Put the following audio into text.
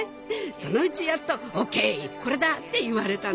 そのうちやっと「オーケーこれだ」って言われたの。